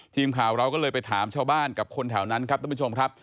ทีมข่าวเราก็เลยไปถามชาวบ้านกับคนแถวนั้นครับท่านผู้ชมครับ